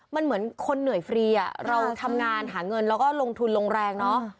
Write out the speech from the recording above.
มันเหมือนคนเหนื่อยฟรีเราทำงานหาเงินแล้วก็ลงทุนลงแรงเนอะ